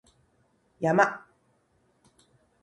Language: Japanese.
山